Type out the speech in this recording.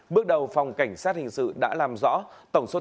bước đầu phòng cảnh sát hình sự đã làm rõ